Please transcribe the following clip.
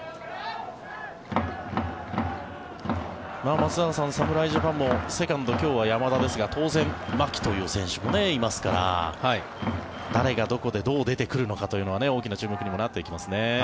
松坂さん、侍ジャパンもセカンド今日は山田ですが当然、牧という選手もいますから誰がどこでどう出てくるのかというのは大きな注目にもなってきますね。